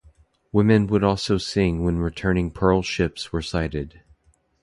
Women would also sing when returning pearl ships were sighted.